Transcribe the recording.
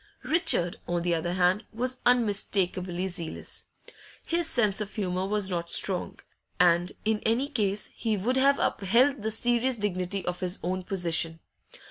Richard, on the other hand, was unmistakably zealous. His sense of humour was not strong, and in any case he would have upheld the serious dignity of his own position.